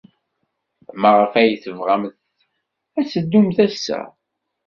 Maɣef ay tebɣamt ad teddumt ass-a?